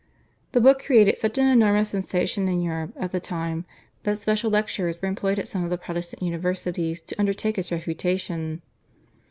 The book created such an enormous sensation in Europe at the time that special lecturers were employed at some of the Protestant universities to undertake its refutation.